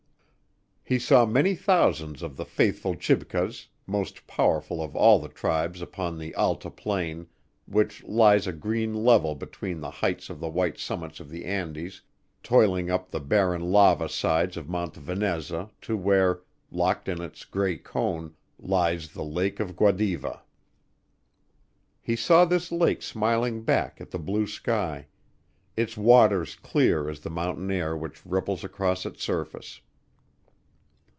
He saw many thousands of the faithful Chibcas, most powerful of all the tribes upon the Alta plain, which lies a green level between the heights of the white summits of the Andes, toiling up the barren lava sides of Mount Veneza to where, locked in its gray cone, lies the lake of Guadiva. He saw this lake smiling back at the blue sky, its waters clear as the mountain air which ripples across its surface.